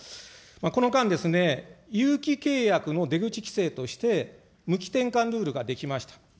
この間ですね、有期契約の出口規制として、無期転換ルールが出来ました。